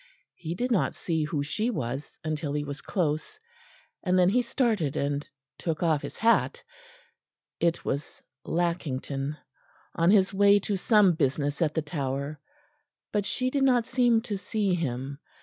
He did not see who she was until he was close, and then he started and took off his hat; it was Lackington on his way to some business at the Tower; but she did not seem to see him.